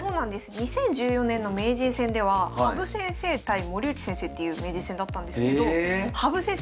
２０１４年の名人戦では羽生先生対森内先生っていう名人戦だったんですけど羽生先生